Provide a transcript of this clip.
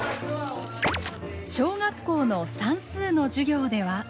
小学校の算数の授業では。